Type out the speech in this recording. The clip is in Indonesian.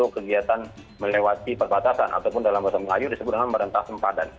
kegiatan melewati perbatasan ataupun dalam bahasa melayu disebut dengan merentah sempadan